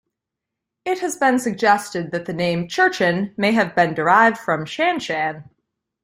It has been suggested that the name "Cherchen" may have been derived from Shanshan.